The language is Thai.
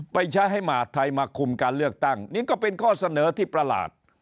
ไปใช้ให้มหาธัยมาคุมการเลือกตั้งนี่ก็เป็นข้อเสนอที่ประหลาด